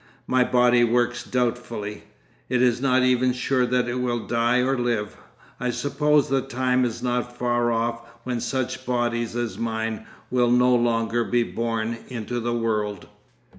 My body works doubtfully, it is not even sure that it will die or live. I suppose the time is not far off when such bodies as mine will no longer be born into the world.